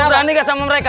lu berani gak sama mereka